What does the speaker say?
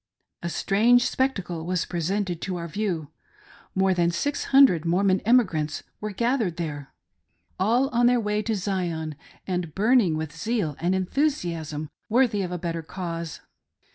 A strange spectacle was presented to our view. More than six hundred Mormon emigrants were gathered there, all on 196 WE MET AT CASTLE GARDENS. their way to Zion, and burning with zeal and enthusiasm wor thy of a better cause.